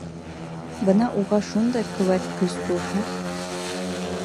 Бына уға шундай ҡеүәт көс булһа!